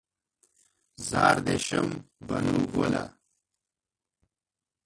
زار دې شم بنو ګله